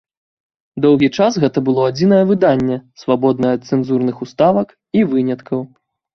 Доўгі час гэта было адзінае выданне, свабоднае ад цэнзурных уставак і выняткаў.